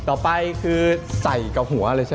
ต่อไปคือใส่กับหัวเลยใช่ไหม